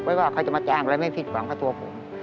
ไม่ว่าใครจะมาแจ้งอะไรไม่ผิดหวังกับตัวผม